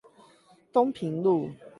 東平路